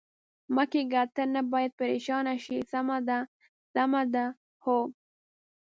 مه کېږه، ته نه باید پرېشانه شې، سمه ده، سمه ده؟ هو.